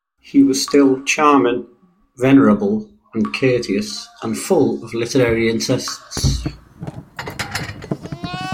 He was still charming, venerable, and courteous, and full of literary interests.